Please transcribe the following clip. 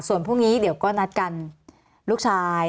ส่วนพรุ่งนี้เดี๋ยวก็นัดกันลูกชาย